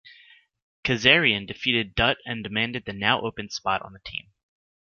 Kazarian defeated Dutt and demanded the now-open spot on the team.